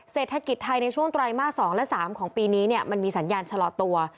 เศรษฐกิจไทยในช่วงไตรมาส๒และ๓ของปีนี้มันมีสัญญาณชะลอตัว